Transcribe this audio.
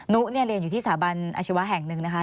นุเนี่ยเรียนอยู่ที่สถาบันอาชีวะแห่งหนึ่งนะคะ